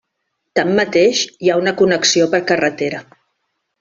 Tanmateix hi ha una connexió per carretera.